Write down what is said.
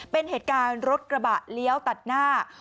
เป็นเหตุการณ์รถกระบะเลี้ยวตัดหน้า